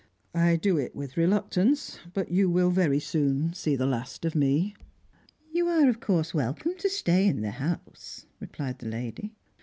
I do it with reluctance, but you will very soon see the last of me." "You are of course welcome to stay in the house," replied the lady.